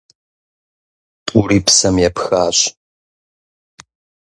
ТӀури псэм епхащ.